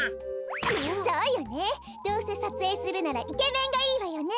そうよねどうせさつえいするならイケメンがいいわよね。